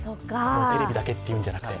テレビだけっていうんじゃなくて。